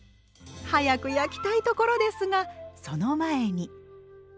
早く焼きたいところですがその前に。